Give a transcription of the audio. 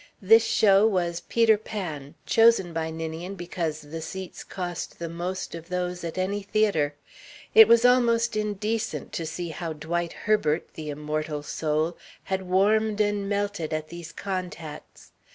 This show was "Peter Pan," chosen by Ninian because the seats cost the most of those at any theatre. It was almost indecent to see how Dwight Herbert, the immortal soul, had warmed and melted at these contacts.